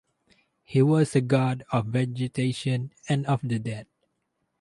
He was a god of vegetation and of the dead.